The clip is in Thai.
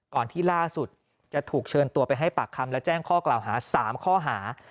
ก่อนที่ล่าสุดจะถูกเชิญตัวไปให้ปากคำและแจ้งข้อกล่าวหา๓ข้อหา